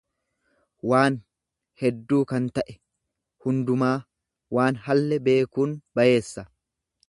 waan hedduu kan ta'e, hundumaa; Waan hallee beekuun bayeessa.